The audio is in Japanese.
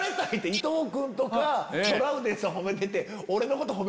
伊藤君とかトラウデンさん褒めてて。